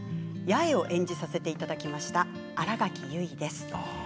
八重を演じさせていただきました新垣結衣です。